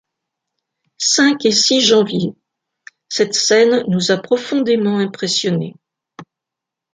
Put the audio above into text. cinq et six janvier. — Cette scène nous a profondément impressionnés.